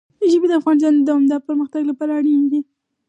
ژبې د افغانستان د دوامداره پرمختګ لپاره اړین دي.